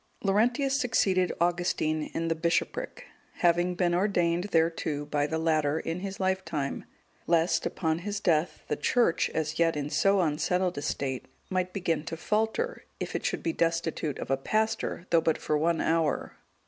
Laurentius(182) succeeded Augustine in the bishopric, having been ordained thereto by the latter, in his lifetime, lest, upon his death, the Church, as yet in so unsettled a state, might begin to falter, if it should be destitute of a pastor, though but for one hour.